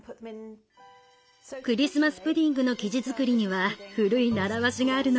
クリスマス・プディングの生地作りには古い習わしがあるのよ。